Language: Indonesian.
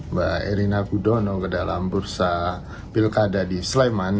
mbak erina gudono ke dalam bursa pilkada di sleman